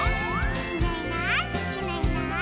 「いないいないいないいない」